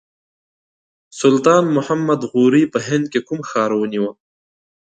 سلطان محمد غوري په هند کې کوم ښار ونیو.